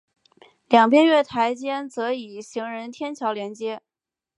两边月台间则以行人天桥连接。